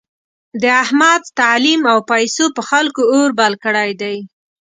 د احمد تعلیم او پیسو په خلکو اور بل کړی دی.